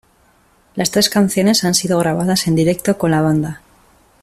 Las tres canciones han sido grabadas en directo con la banda.